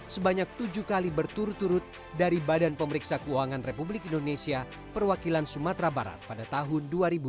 sebanyak tujuh kali berturut turut dari badan pemeriksa keuangan republik indonesia perwakilan sumatera barat pada tahun dua ribu dua puluh